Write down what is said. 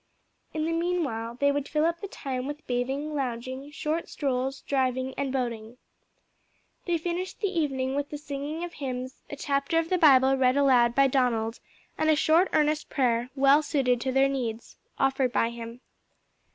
In the meanwhile they would fill up the time with bathing, lounging, short strolls, driving, and boating. They finished the evening with the singing of hymns, a chapter of the Bible read aloud by Donald, and a short, earnest prayer, well suited to their needs, offered by him.